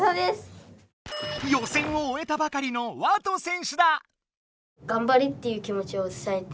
予選をおえたばかりのＷＡＴＯ選手だ！